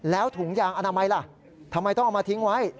แล้วถุงยางอนามัยล่ะทำไมต้องเอามาทิ้งไว้